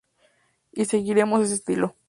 Y seguiremos ese estilo.